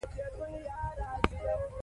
هغه د سیاسي علومو زده کړه وکړه.